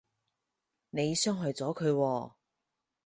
你傷害咗佢喎